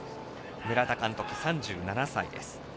村田監督、３７歳です。